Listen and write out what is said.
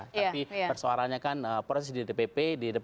tapi persoalannya kan proses di dpp